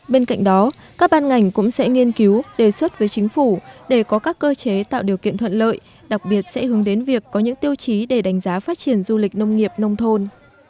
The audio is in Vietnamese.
bên cạnh đó các ban ngành cũng sẽ nghiên cứu đề xuất với chính phủ để có các cơ chế tạo điều kiện thuận lợi đặc biệt sẽ hướng đến việc có những tiêu chí để đánh giá phát triển du lịch nông nghiệp nông thôn